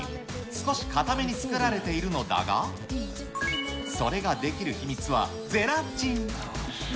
少し硬めに作られているのだが、それができる秘密はゼラチン。